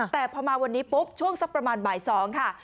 แต่พอมาวันนี้ปุ๊บช่วงสักประมาณบ่าย๒ค่ะ